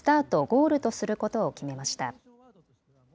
・ゴールとすることを決めました。